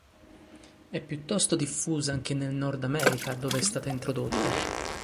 È piuttosto diffusa anche nel Nord America, dove è stata introdotta.